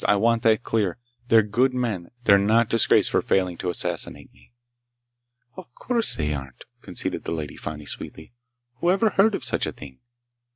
I want that clear! They're good men! They're not disgraced for failing to assassinate me!" "Of course they aren't," conceded the Lady Fani sweetly. "Whoever heard of such a thing?"